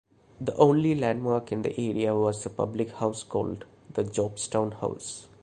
The only landmark in the area was the public house called the Jobstown House.